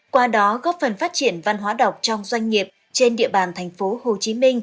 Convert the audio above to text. qua đó góp phần phát triển văn hóa đọc trong doanh nghiệp trên địa bàn tp hcm